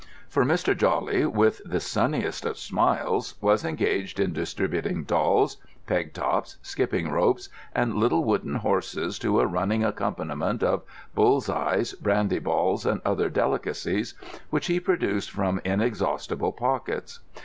For Mr. Jawley, with the sunniest of smiles, was engaged in distributing dolls, peg tops, skipping ropes, and little wooden horses to a running accompaniment of bull's eyes, brandy balls, and other delicacies, which he produced from inexhaustible pockets.